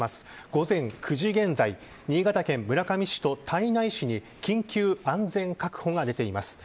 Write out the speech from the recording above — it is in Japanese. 午前９時現在新潟県村上市と胎内市に緊急安全確保が出ています。